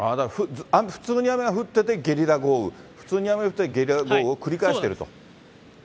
普通に雨が降ってて、ゲリラ豪雨、普通に雨が降って、ゲリラ豪雨を繰り返していると。